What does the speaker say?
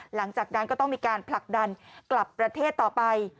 หลังจากนั้นก็ต้องมีการผลักดันกลับประเทศต่อไป